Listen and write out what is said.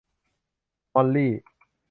มอลลี่